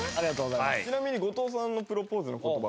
ちなみに後藤さんのプロポーズの言葉は？